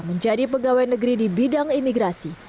menjadi pegawai negeri di bidang imigrasi